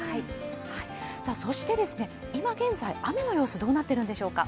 そして、今現在、雨の様子どうなっているんでしょうか？